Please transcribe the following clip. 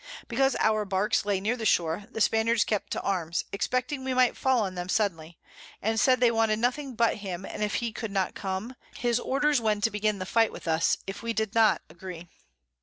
Because our Barks lay near the Shore the Spaniards kept to Arms, expecting we might fall on them suddenly; and said they wanted nothing but him, and if he could not come, his Orders when to begin the Fight with us, if we did not agree.